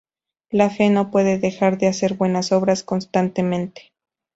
La fe no puede dejar de hacer buenas obras constantemente.